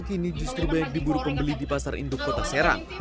kini justru banyak diburu pembeli di pasar induk kota serang